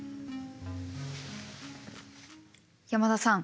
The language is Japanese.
山田さん。